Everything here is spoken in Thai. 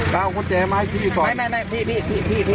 กล้าวหกเจ็ม้าให้พี่ก่อนไม่ไม่ไม่พี่พี่พี่พี่พี่